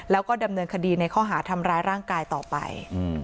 แล้วก็ดำเนินคดีในข้อหาทำร้ายร่างกายต่อไป